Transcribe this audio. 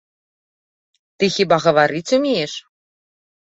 Ты хіба гаварыць умееш?